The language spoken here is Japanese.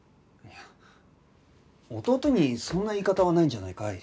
いや弟にそんな言い方はないんじゃないか？